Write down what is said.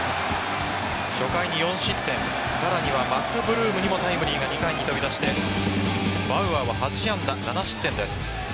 初回に４失点、さらにはマクブルームにもタイムリーが２回に飛び出してバウアーは８安打７失点です。